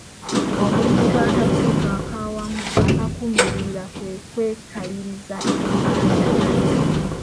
Omulimu gw'Akakiiko ak'Awamu Akakuuma Ebibira kwe kwekaliriza enkaayana.